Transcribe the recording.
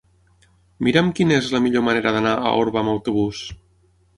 Mira'm quina és la millor manera d'anar a Orba amb autobús.